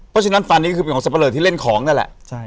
ก็ฉะนั้นฟันนี้คือเป็นไฟล์เวิร์ดที่เล่นของนั่นล่ะ